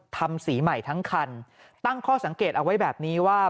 ทำสีใหม่ทั้งคันตั้งข้อสังเกตเอาไว้แบบนี้ว่า